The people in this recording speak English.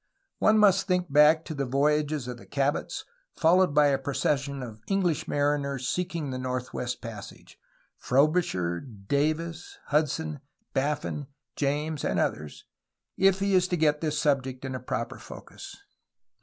One must think back to the voyages of the Cabots, followed by a procession of English mariners seeking the Northwest Passage, — Frobisher, Davis, Hudson, Baffin, James, and others, — if he is to get this subject in proper focus.